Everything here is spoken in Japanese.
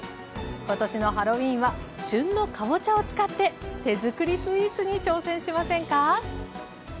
今年のハロウィーンは旬のかぼちゃを使って手づくりスイーツに挑戦しませんか？